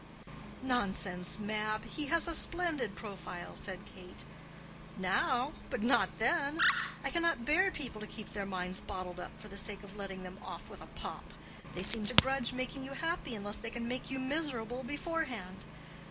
"Nonsense, Mab; he has a splendid profile," said Kate. "Now, but not then. I cannot bear people to keep their minds bottled up for the sake of letting them off with a pop. They seem to grudge making you happy unless they can make you miserable beforehand.